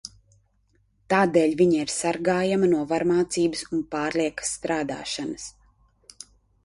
Tādēļ viņa ir sargājama no varmācības un pārliekas strādāšanas.